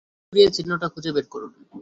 চুল সরিয়ে, চিহ্নটা খুঁজে বের করুন!